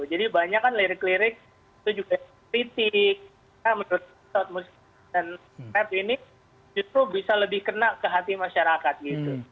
jadi banyak kan lirik lirik itu juga kritik menurut saya musik dan ref ini justru bisa lebih kena ke hati masyarakat gitu